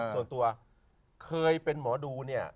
คิกคิกคิกคิกคิก